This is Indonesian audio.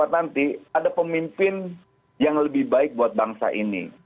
dua ribu dua puluh empat nanti ada pemimpin yang lebih baik buat bangsa ini